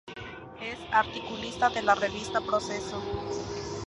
Es articulista de la revista Proceso.